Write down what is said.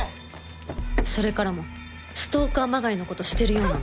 それからもストーカーまがいの事してるようなの。